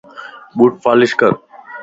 ٻوٽ پالش ڪر